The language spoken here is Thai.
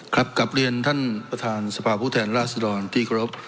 กลับกับเรียนท่านประธานสะพาะผู้แทนราศดรที่กระรุป